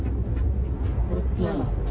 これって何なんですか？